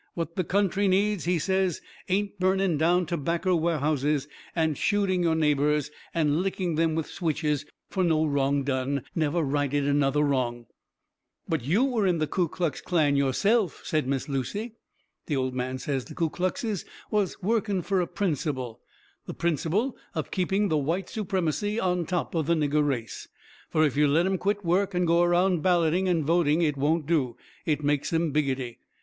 What the country needs, he says, ain't burning down tobaccer warehouses, and shooting your neighbours, and licking them with switches, fur no wrong done never righted another wrong. "But you were in the Ku Klux Klan yo'self," says Miss Lucy. The old man says the Ku Kluxes was working fur a principle the principle of keeping the white supremacy on top of the nigger race. Fur if you let 'em quit work and go around balloting and voting it won't do. It makes 'em biggity.